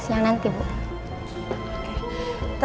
saingan aja gue